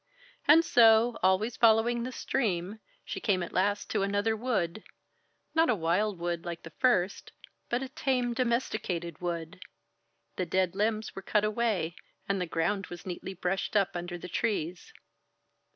And so, always following the stream, she came at last to another wood not a wild wood like the first, but a tame, domesticated wood. The dead limbs were cut away, and the ground was neatly brushed up under the trees.